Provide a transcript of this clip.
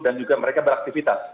dan juga mereka beraktifitas